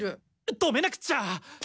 止めなくっちゃ！